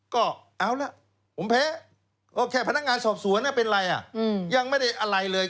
ก็เอาล่ะผมแพ้ก็แค่พนักงานสอบสวนเป็นอะไรอ่ะยังไม่ได้อะไรเลย